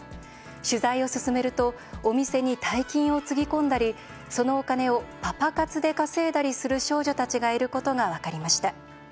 取材を進めるとお店に大金をつぎ込んだりそのお金をパパ活で稼いだりする少女たちがいることが分かりました。